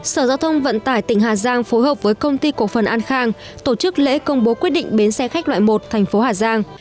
sở giao thông vận tải tỉnh hà giang phối hợp với công ty cổ phần an khang tổ chức lễ công bố quyết định bến xe khách loại một thành phố hà giang